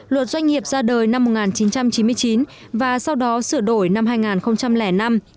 luật doanh nghiệp ra đời năm một nghìn chín trăm chín mươi chín và sau đó sửa đổi năm hai nghìn năm